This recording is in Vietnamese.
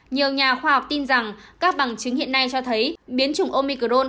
nhiều nhà khoa học tin rằng các bằng chứng hiện nay cho thấy biến chủng omicron